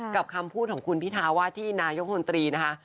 คำพูดของคุณพิทาว่าที่นายกมนตรีนะคะ